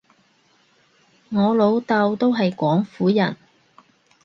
我老豆都係廣府人